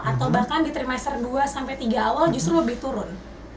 atau bahkan di trimester dua sampai tiga awal justru lebih turun